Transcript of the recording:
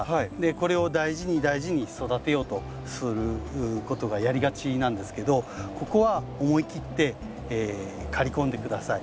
これを大事に大事に育てようとすることがやりがちなんですけどここは思い切って刈り込んで下さい。